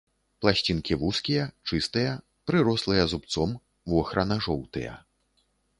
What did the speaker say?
Пласцінкі вузкія, чыстыя, прырослыя зубцом, вохрана-жоўтыя.